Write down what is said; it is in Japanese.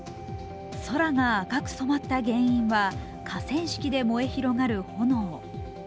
空が赤く染まった原因は河川敷で燃え広がる炎。